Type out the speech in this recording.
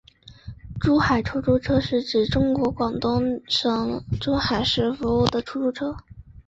珠海出租车是指在中国广东省珠海市服务的出租车。